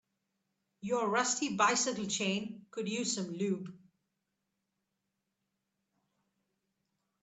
Your rusty bicycle chain could use some lube.